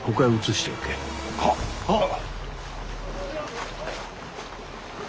はっ。はっ。